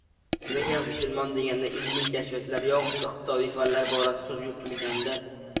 Nega “musulmon” deganda ilmiy kashfiyotlar yoxud iqtisodiy fanlar borasida so‘z yuritilganda b